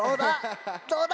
どうだ？